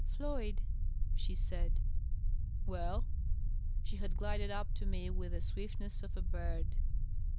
" Floyd," she saii "Well?" She had glided up to me with the swiftness of a bird.